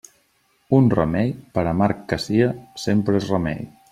Un remei per amarg que sia, sempre és remei.